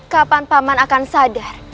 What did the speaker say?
kapan paman akan sadar